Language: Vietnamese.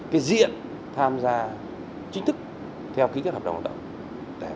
cái diện tham gia chính thức theo kỹ thuật hợp đồng hoạt động